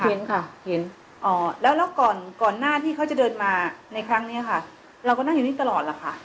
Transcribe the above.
เห็นค่ะเห็นแล้วแล้วก่อนก่อนหน้าที่เขาจะเดินมาในครั้งนี้ค่ะเราก็นั่งอยู่นี่ตลอดล่ะค่ะ